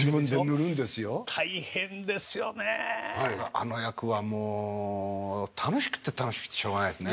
あの役はもう楽しくて楽しくてしょうがないですね。